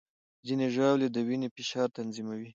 ځینې ژاولې د وینې فشار تنظیموي.